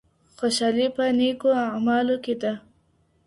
خوشحالي په نېکو اعمالو کي ده.